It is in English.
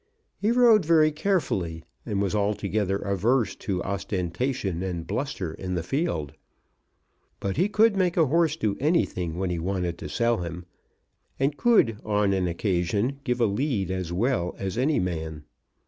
He rode very carefully, and was altogether averse to ostentation and bluster in the field. But he could make a horse do anything when he wanted to sell him, and could on an occasion give a lead as well as any man.